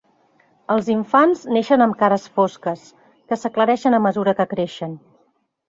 Els infants neixen amb cares fosques, que s'aclareixen a mesura que creixen.